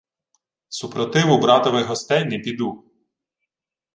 — Супротиву братових гостей не піду.